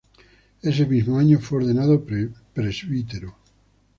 Ese mismo año fue ordenado presbítero.